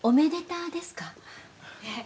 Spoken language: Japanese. ええ。